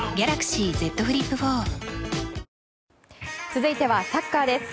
続いてはサッカーです。